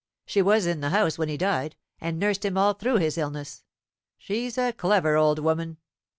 She was in the house when he died, and nursed him all through his illness. She's a clever old woman.